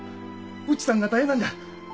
内さんが大変なんじゃ。